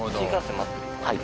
はい。